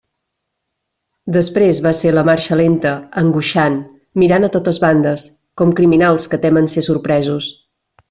Després va ser la marxa lenta, angoixant, mirant a totes bandes, com criminals que temen ser sorpresos.